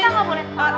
kita gak boleh tahu